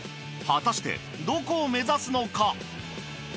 果たしてどこを目指すのか？